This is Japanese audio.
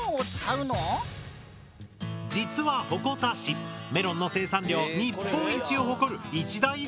実は鉾田市メロンの生産量日本一を誇る一大産地なんだ！